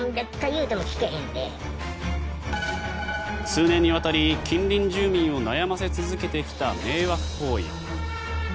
数年にわたり近隣住民を悩ませ続けてきた迷惑行為。